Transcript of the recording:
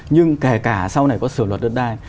nhưng kể cả sau này có sửa luật đất đai